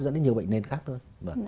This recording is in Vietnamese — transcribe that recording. dẫn đến nhiều bệnh nền khác thôi